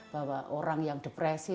bahwa orang yang depresi